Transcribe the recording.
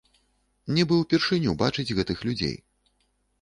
Нібы ўпершыню бачыць гэтых людзей.